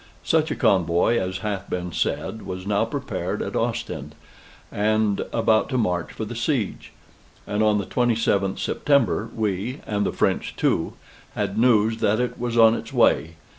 Such a convoy as hath been said was now prepared at Ostend, and about to march for the siege; and on the 27th September we (and the French too) had news that it was on its way.